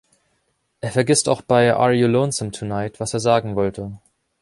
Er vergisst auch bei „Are You Lonesome Tonight?“, was er sagen wollte.